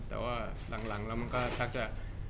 แต่ว่าหลังแล้วมันก็ทักจะ